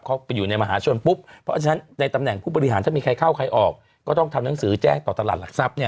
เขาไปอยู่ในมหาชนปุ๊บเพราะฉะนั้นในตำแหน่งผู้บริหารถ้ามีใครเข้าใครออกก็ต้องทำหนังสือแจ้งต่อตลาดหลักทรัพย์เนี่ย